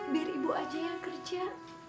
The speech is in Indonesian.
biar ibu aja yang kerja